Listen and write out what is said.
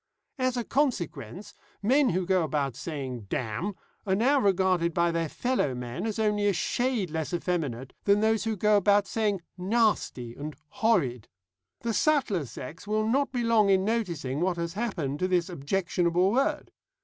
As a consequence, men who go about saying 'damn' are now regarded by their fellow men as only a shade less effeminate than those who go about saying 'nasty' and 'horrid.' The subtler sex will not be long in noticing what has happened to this objectionable word.